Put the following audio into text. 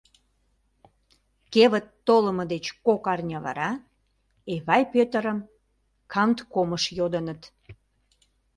Кевыт толымо деч кок арня вара Эвай Пӧтырым канткомыш йодыныт.